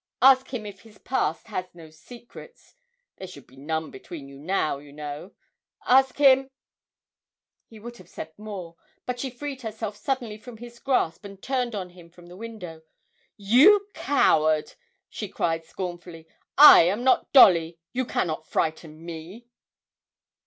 Ask him if his past has no secrets (there should be none between you now, you know): ask him ' He would have said more, but she freed herself suddenly from his grasp and turned on him from the window. 'You coward,' she cried scornfully, 'I am not Dolly you cannot frighten me!'